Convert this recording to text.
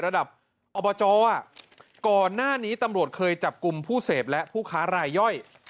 ระดับอบจก่อนหน้านี้ตำรวจเคยจับกลุ่มผู้เสพและผู้ค้ารายย่อย